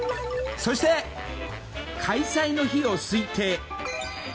そして、開催の費用推定。